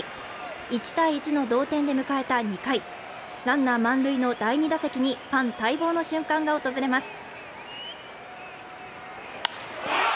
１−１の同店で迎えた２回ランナー満塁の第２打席にファン待望の瞬間が訪れます。